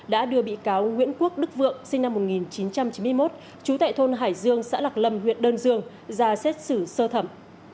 đã đưa bị cáo nguyễn quốc đức vượng sinh năm một nghìn chín trăm chín mươi một trú tại thôn hải dương xã lạc lâm huyện đơn dương ra xét xử sơ thẩm